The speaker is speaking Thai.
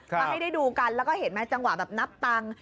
มาให้ได้ดูกันแล้วก็เห็นไหมจังหวะแบบนับตังค์